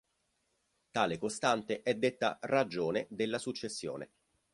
Tale costante è detta "ragione" della successione.